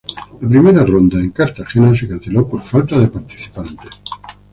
La primera ronda en Cartagena se canceló por falta de participantes.